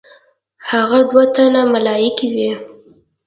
هغه دوه تنه ملایکې وې.